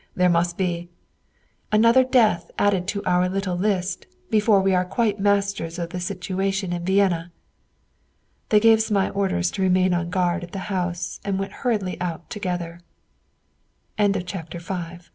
There must be "" another death added to our little list before we are quite masters of the situation in Vienna." They gave Zmai orders to remain on guard at the house and went hurriedly out together. CHAPTER VI TOWARD THE WESTE